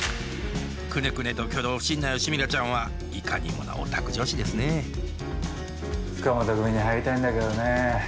クネクネと挙動不審な吉ミラちゃんはいかにもなオタク女子ですね塚本組に入りたいんだけどねえ。